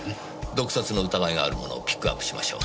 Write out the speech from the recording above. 毒殺の疑いがあるものをピックアップしましょう。